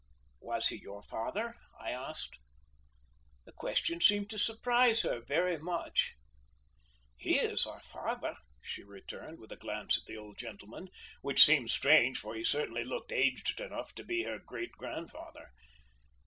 "Was he your father?" I asked. The question seemed to surprise her very much. "He is our father," she returned, with a glance at the old gentleman, which seemed strange, for he certainly looked aged enough to be her great grandfather.